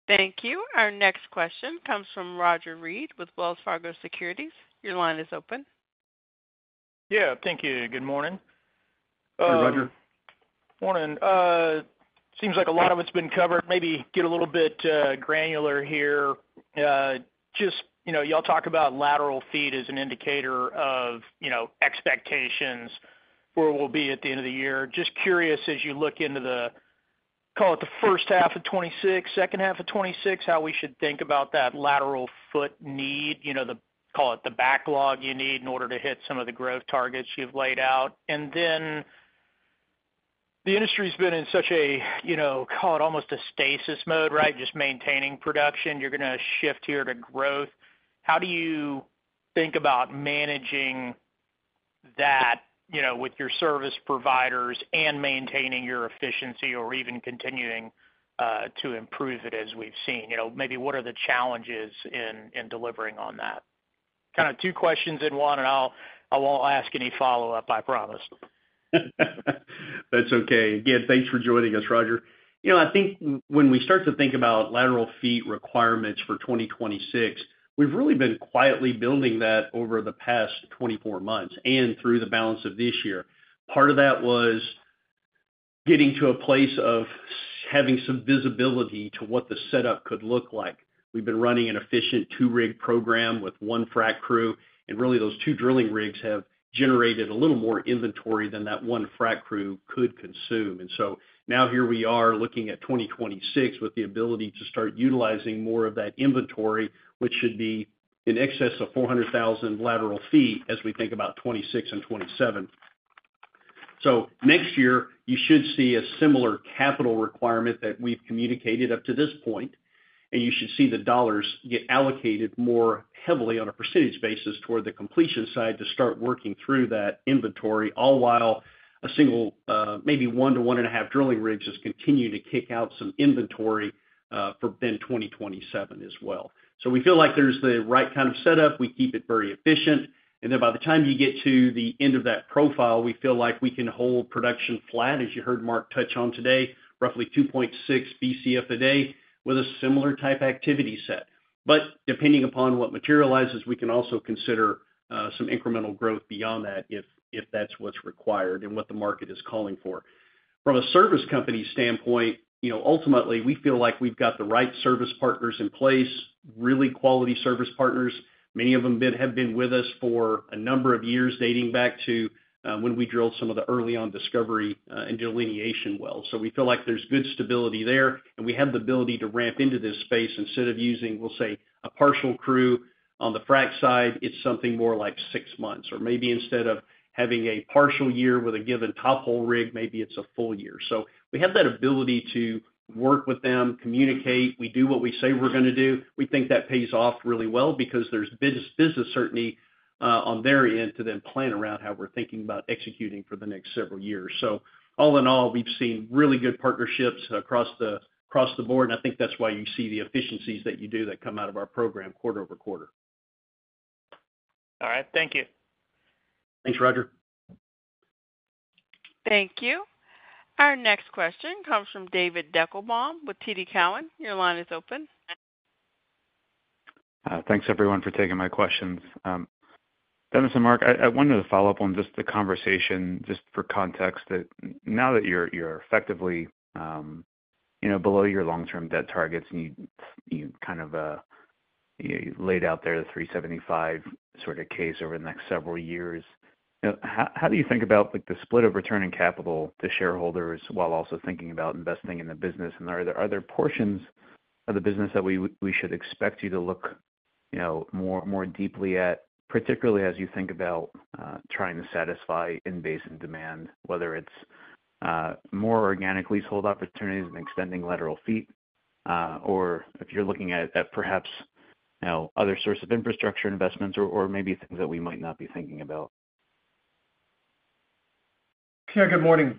Thank you. Our next question comes from Roger Read with Wells Fargo Securities. Your line is open. Yeah. Thank you. Good morning, Roger. Morning. Seems like a lot of it's been covered. Maybe get a little bit granular here. Just, you know, you all talk about lateral ft as an indicator of, you know, expectations where we'll be at the end of the year. Just curious, as you look into the, call it, the first half of 2026, second half of 2026, how we should think about that lateral foot need, you know, the, call it, the backlog you need in order to hit some of the growth targets you've laid out. The industry's been in such a, you know, call it almost a stasis mode. Right. Just maintaining production. You're going to shift here to growth. How do you think about managing that with your service providers and maintaining your efficiency or even continuing to improve it as we've seen? Maybe what are the challenges in delivering on that? Kind of two questions in one and I won't ask any follow up, I promise. That's okay. Again, thanks for joining us, Roger. I think when we start to think about lateral ft requirements for 2026, we've really been quietly building that over the past 24 months and through the balance of this year. Part of that was getting to a place of having some visibility to what the setup could look like. We've been running an efficient two rig program with one frac crew, and really those two drilling rigs have generated a little more inventory than that one frac crew could consume. Now here we are looking at 2026 with the ability to start utilizing more of that inventory, which should be in excess of 400,000 lateral ft as we think about 2026 and 2027. Next year you should see a similar capital requirement that we've communicated up to this point, and you should see the dollars get allocated more heavily on a % basis toward the completion side to start working through that inventory, all while a single, maybe one to one and a half drilling rigs just continue to kick out some inventory for then 2027 as well. We feel like there's the right kind of setup, we keep it very efficient, and by the time you get to the end of that profile, we feel like we can hold production flat. As you heard Mark touch on today, roughly 2.6 Bcf a day with a similar type activity set. Depending upon what materializes, we can also consider some incremental growth beyond that if that's what's required and what the market is calling for from a service company standpoint. Ultimately, we feel like we've got the right service partners in place, really quality service partners. Many of them have been with us for a number of years dating back to when we drilled some of the early on discovery and delineation wells. We feel like there's good stability there and we have the ability to ramp into this space. Instead of using, we'll say, a partial crew on the frac side, it's something more like six months, or maybe instead of having a partial year with a given top hole rig, maybe it's a full year. We have that ability to work with them, communicate. We do what we say we're going to do. We think that pays off really well because there's business certainty on their end to then plan around how we're thinking about executing for the next several years. All in all, we've seen really good partnerships across the board. I think that's why you see the efficiencies that you do that come. Out of our program quarter-over- quarter. All right, thank you. Thanks, Roger. Thank you. Our next question comes from David Deckelbaum with TD Cowen. Your line is open. Thanks everyone for taking my questions. Dennis and Mark, I wanted to follow up on just the conversation, just for context, that now that you're effectively below your long-term debt targets, you kind of laid out there the $375 million sort of case over the next several years. How do you think about the split of return and capital to shareholders while also thinking about investing in the business? Are there other portions of the business that we should expect you to look more deeply at, particularly as you think about trying to satisfy in-basin demand, whether it's more organically sold opportunities and extending lateral ft or if you're looking at perhaps other sources of infrastructure investments or maybe things that we might not be thinking about. Good morning,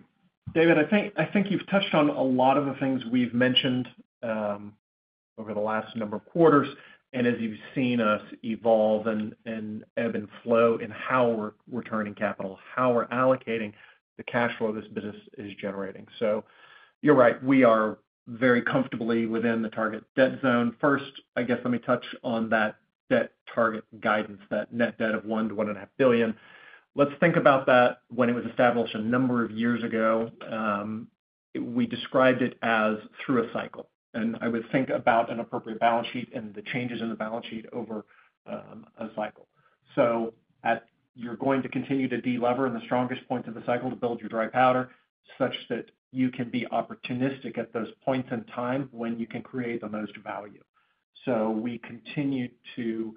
David. I think you've touched on a lot of the things we've mentioned over the last number of quarters and as you've seen us evolve and ebb and flow in how we're returning capital, how we're allocating the cash flow this business is generating. You're right, we are very comfortably within the target debt zone. First, I guess let me touch on that debt target guidance, that net debt of $1 billion-$1.5 billion. Let's think about that. When it was established a number of years ago, we described it as through a cycle and I would think about an appropriate balance sheet and the changes in the balance sheet over a cycle. You're going to continue to de-lever in the strongest point of the cycle to build your dry powder such that you can be opportunistic at those points in time when you can create the most value. We continue to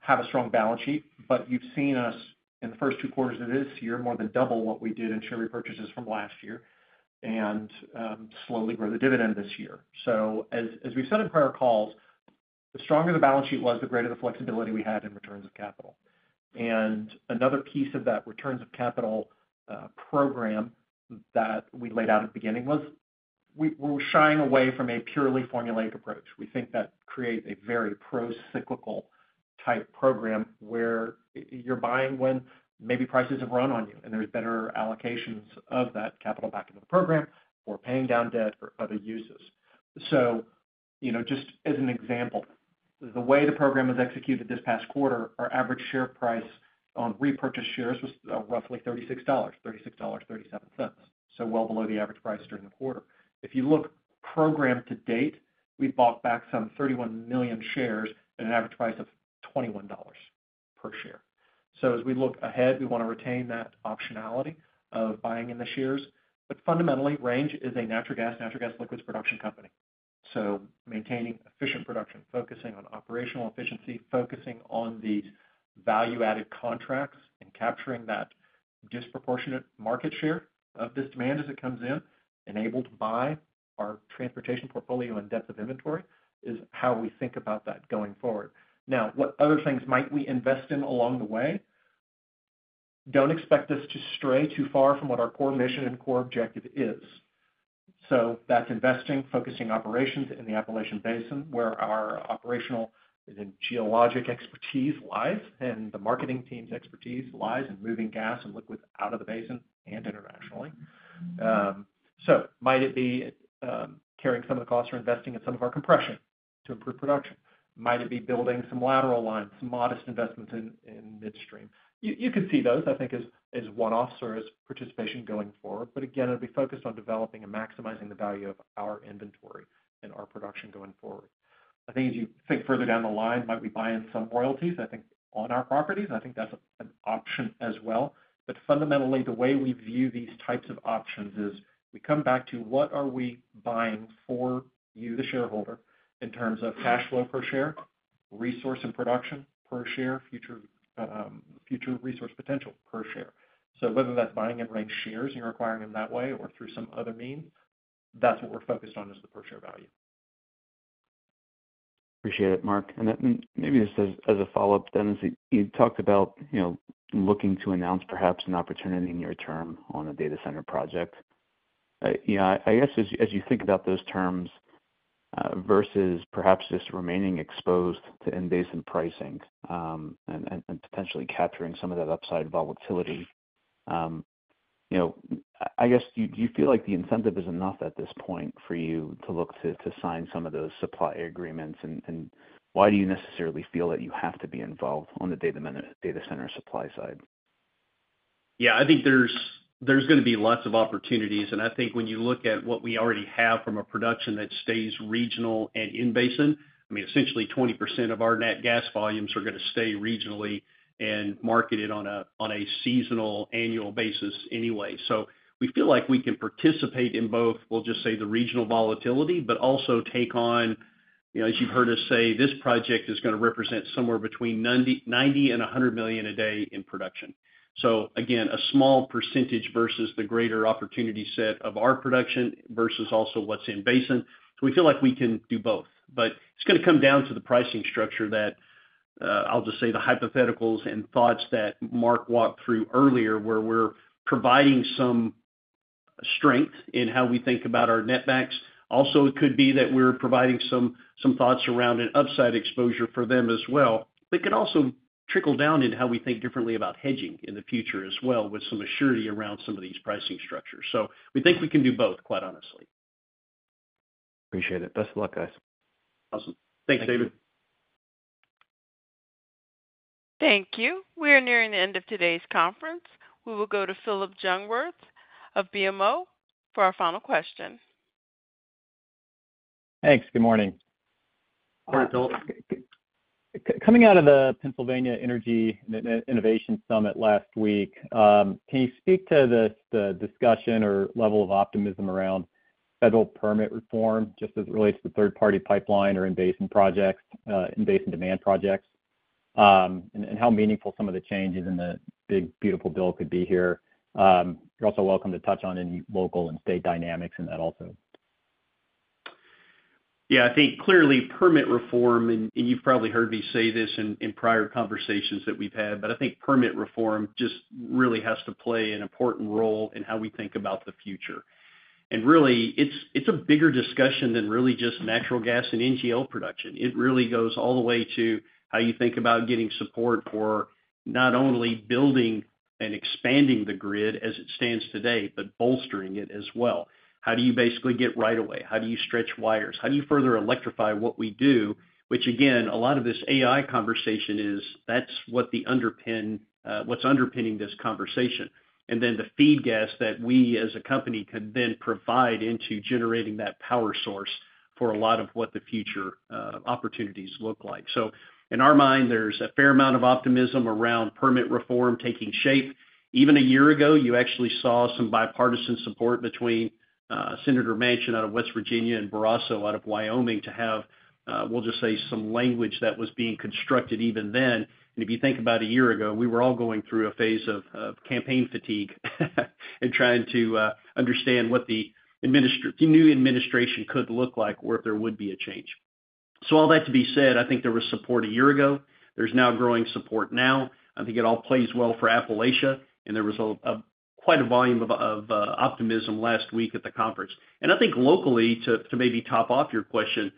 have a strong balance sheet, but you've seen us in the first two quarters of this year, more than double what we did in share repurchases from last year, and slowly grow the dividend this year. As we've said in prior calls, the stronger the balance sheet was, the greater the flexibility we had in returns of capital. Another piece of that returns of capital program that we laid out at the beginning was we were shying away from a purely formulaic approach. We think that creates a very pro-cyclical type program where you're buying when maybe prices have run on you and there's better allocations of that capital back into the program for paying down debt for other uses. Just as an example, the way the program was executed this past quarter, our average share price on repurchased shares was roughly $36.36, $36.37, so well below the average price during the quarter. If you look program to date, we bought back some $31 million shares at an average price of $21 per share. As we look ahead, we want. To retain that optionality of buying in the shares. Fundamentally, Range is a natural gas, natural gas liquids production company. Maintaining efficient production, focusing on operational efficiency, focusing on these value added contracts and capturing that disproportionate market share of this demand as it comes in, enabled by our transportation portfolio and depth of inventory, is how we think about that going forward. What other things might we invest in along the way? Don't expect us to stray too far from what our core mission and core objective is. That's investing, focusing operations in the Appalachian basin, where our operational geologic expertise lies and the marketing team's expertise lies in moving gas and liquids out of the basin and internationally. Might it be carrying some of the costs or investing in some of our compression to improve production? Might it be building some lateral lines, modest investments in midstream? You could see those, I think, as one offs or as participation going forward. Again, it would be focused on developing and maximizing the value of our inventory and our production going forward. I think as you think further down the line, might we buy in some royalties? I think on our properties, I think that's an option as well. Fundamentally, the way we view these types of options is we come back to what are we buying for you, the shareholder, in terms of cash flow per share, resource and production per share, future resource potential per share. Whether that's buying and ranking shares, you're acquiring them that way or through some other means, that's what we're focused on. Is the per share value. Appreciate it, Mark. Maybe just as a follow-up, Dennis, you talked about looking to announce perhaps an opportunity near term on a data center project. As you think about those. Terms versus perhaps just remaining exposed to in-basin pricing and potentially capturing some. Of that upside volatility. I guess. Do you feel like the incentive is enough at this point for you to look to sign some of those supply agreements? Why do you necessarily feel that you have to be involved on the data center supply side? Yeah, I think there's going to be lots of opportunities, and I think when you look at what we already have from a production that stays regional and in-basin, essentially 20% of our natural gas volumes are going to stay regionally and marketed on a seasonal annual basis anyway. We feel like we can participate in both. We'll just say the regional volatility, but also take on, as you've heard us say, this project is going to represent somewhere between $90 million and $100 million a day in production. Again, a small percentage versus the greater opportunity set of our production versus also what's in-basin. We feel like we can do both. It's going to come down to the pricing structure, the hypotheticals and thoughts that Mark walked through earlier, where we're providing some strength in how we think about our netbacks. Also, it could be that we're providing some thoughts around an upside exposure for them as well, but it could also trickle down in how we think differently about hedging in the future as well with some assurity around some of these pricing structures. We think we can do both, quite honestly. Appreciate it. Best of luck, guys. Awesome. Thanks David. Thank you. We are nearing the end of today's conference. We will go to Phillip Jungwirth of BMO for our final question Thanks. Good morning Phillip, coming out of the Pennsylvania Energy Innovation Summit last week, can you speak to the discussion or level of optimism around federal permit reform just as it relates to third party pipeline or in basin projects, in basin demand projects, and how meaningful some of the changes in the big beautiful bill could be here? You're also welcome to touch on any local and state dynamics in that also. Yeah, I think clearly permit reform, and you've probably heard me say this in prior conversations that we've had, but I think permit reform just really has to play an important role in how we think about the future. It's a bigger discussion than just natural gas and NGL production. It really goes all the way to how you think about getting support for not only building and expanding the grid as it stands today, but bolstering it as well. How do you basically get right of way, how do you stretch wires, how do you further electrify what we do? Which again, a lot of this AI conversation is. That's what's underpinning this conversation and then the feed gas that we as a company could then provide into generating that power source for a lot of what the future opportunities look like. In our mind, there's a fair amount of optimism around permit reform taking shape. Even a year ago, you actually saw some bipartisan support between Senator Manchin out of West Virginia and Barrasso out of Wyoming to have, just say, some language that was being constructed even then. If you think about a year ago, we were all going through a phase of campaign fatigue and trying to understand what the new administration could look like or if there would be a change. All that to be said, I think there was support a year ago. There's now growing support now. I think it all plays well for Appalachia. There was quite a volume of optimism last week at the conference. I think locally, to maybe top off your question,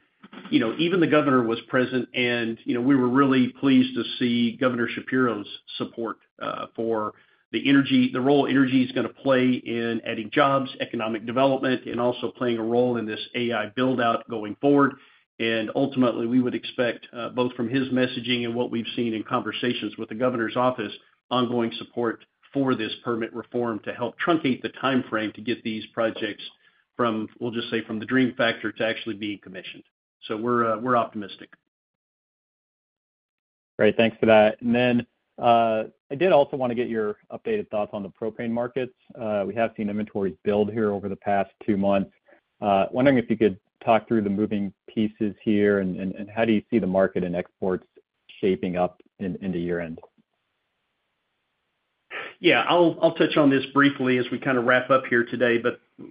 even the governor was present, and we were really pleased to see Governor Shapiro's support for the energy, the role energy is going to play in adding jobs, economic development, and also playing a role in this AI buildout going forward. Ultimately, we would expect both from his messaging and what we've seen in conversations with the governor's office, ongoing support for this permit reform to help truncate the timeframe to get these projects from, we'll just say from the dream factor to actually being commissioned. We're optimistic. Great, thanks for that. I did also want to get your updated thoughts on the propane markets. We have seen inventories build here over the past two months. Wondering if you could talk through the moving pieces here and how do you see the market and exports shaping up into year end? Yeah, I'll touch on this briefly as we kind of wrap up here today.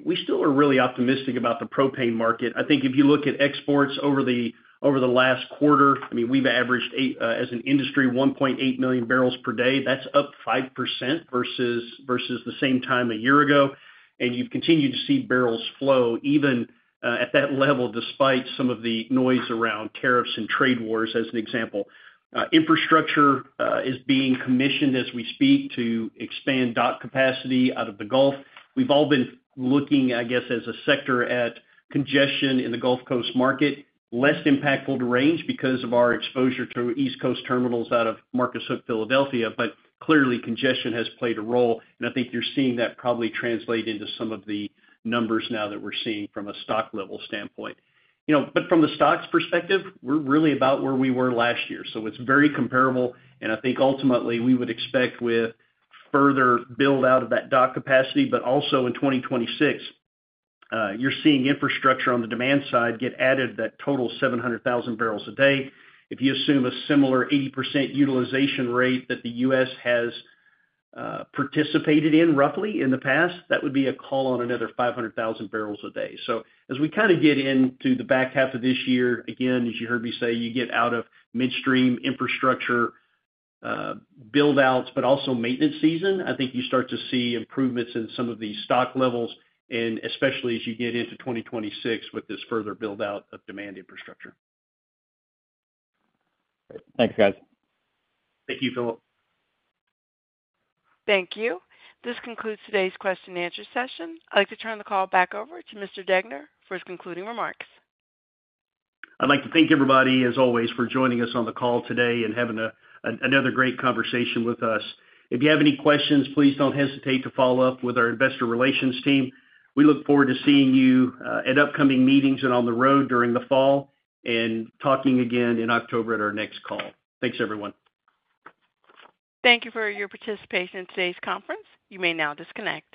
We still are really optimistic about the propane market. I think if you look at exports over the last quarter, we've averaged as an industry 1.8 million barrels per day. That's up 5% versus the same time a year ago. You've continued to see barrels flow even at that level, despite some of the noise around tariffs and trade wars. For example, infrastructure is being commissioned as we speak to expand dock capacity out of the Gulf Coast. We've all been looking, I guess as a sector, at congestion in the Gulf Coast market, which is less impactful to Range because of our exposure to East Coast terminals out of Marcus Hook, Philadelphia. Clearly, congestion has played a role. I think you're seeing that probably translate into some of the numbers now that we're seeing from a stock level standpoint. From the stocks perspective, we're really about where we were last year, so it's very comparable. I think ultimately we would expect with further build out of that dock capacity, and also in 2026, you're seeing infrastructure on the demand side get added that total 700,000 barrels a day. If you assume a similar 80% utilization rate that the U.S. has participated in roughly in the past, that would be a call on another 500,000 barrels a day. As we get into the back half of this year, as you heard me say, you get out of midstream infrastructure build outs, but also maintenance season, I think you start to see improvements in some of these stock levels, especially as you get into 2026 with this further build out of demand infrastructure. Thanks, guys. Thank you, Phillip. Thank you. This concludes today's question and answer session. I'd like to turn the call back over to Mr. Degner for his concluding remarks. I'd like to thank everybody, as always, for joining us on the call today and having another great conversation with us. If you have any questions, please don't hesitate to follow up with our Investor Relations team. We look forward to seeing you at upcoming meetings and on the road during the fall and talking again in October at our next call. Thanks everyone. Thank you for your participation in today's conference. You may now disconnect.